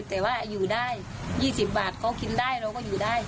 แต่ว่าอยู่ได้๒๐บาทเขากินได้เราก็อยู่ได้